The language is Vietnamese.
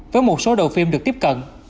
với một số đầu phim được tiếp cận